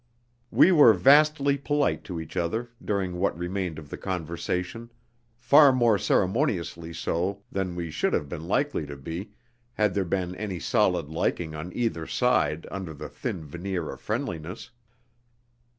We were vastly polite to each other during what remained of the conversation, far more ceremoniously so than we should have been likely to be had there been any solid liking on either side under the thin veneer of friendliness.